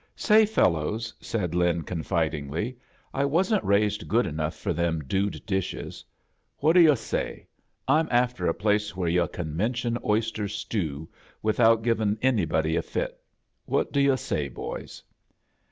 "Say, fellows," said Lin, confidingly, "I wasn't raised good enough for them dude dishes. What do yu' say! I'm after a place where yu' can mention oyster stoo without givin' anybody a fit. What do yu' say, boys?"